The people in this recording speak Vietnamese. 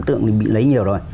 tượng bị lấy nhiều rồi